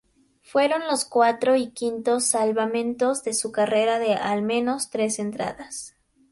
Fueron los cuarto y quinto salvamentos de su carrera de al menos tres entradas.